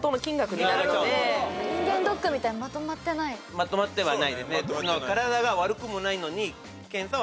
まとまってはないですね。